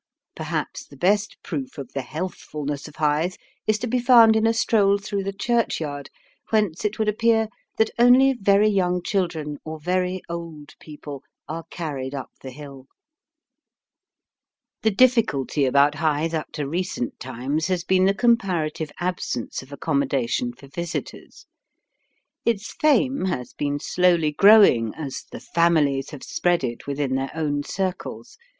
Perhaps the best proof of the healthfulness of Hythe is to be found in a stroll through the churchyard, whence it would appear that only very young children or very old people are carried up the hill. The difficulty about Hythe up to recent times has been the comparative absence of accommodation for visitors. Its fame has been slowly growing as The Families have spread it within their own circles.